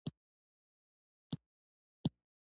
د برانډ غږ باید واحد او پېژندل شوی وي.